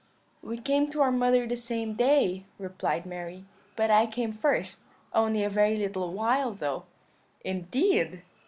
"'We came to our mother the same day,' replied Mary; 'but I came first, only a very little while though.' "'Indeed!'